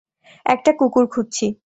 একটা কুকুর খুঁজছি।